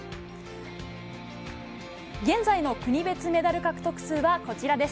現在の国別メダル獲得数はこちらです。